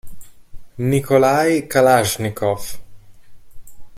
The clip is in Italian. Nikolaj Kalašnikov